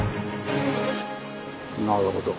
なるほど。